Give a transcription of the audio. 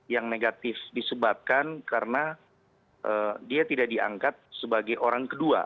yang negatif disebabkan karena dia tidak diangkat sebagai orang kedua